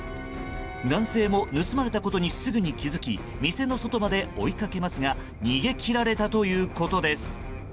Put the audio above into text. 男性も盗まれたことにすぐに気づき店の外まで追いかけますが逃げ切られたということです。